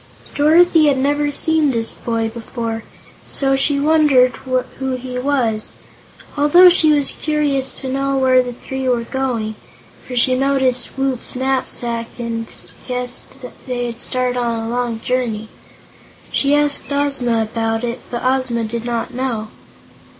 Dorothy had never seen this boy before, so she wondered who he was. Also she was curious to know where the three were going, for she noticed Woot's knapsack and guessed they had started on a long journey. She asked Ozma about it, but Ozma did not know.